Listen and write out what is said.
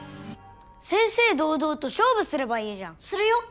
正々堂々と勝負すればいいじゃん。するよ。